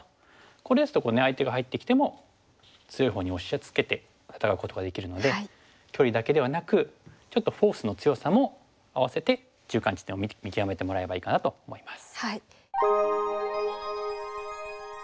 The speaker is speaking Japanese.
これですと相手が入ってきても強いほうに押しつけて戦うことができるので距離だけではなくちょっとフォースの強さも併せて中間地点を見極めてもらえばいいかなと思います。